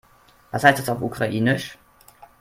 Was heißt das auf Ukrainisch?